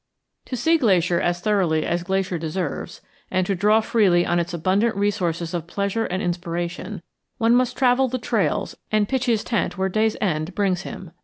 To see Glacier as thoroughly as Glacier deserves and to draw freely on its abundant resources of pleasure and inspiration, one must travel the trails and pitch his tent where day's end brings him.